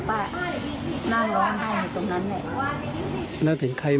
ผมต้องขอบความเป็นกันด้วย